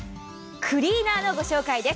クリーナーのご紹介です。